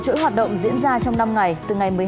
chuỗi hoạt động diễn ra trong năm ngày từ ngày một mươi tám